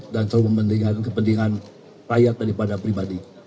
dan selalu mempentingkan kepentingan rakyat daripada pribadi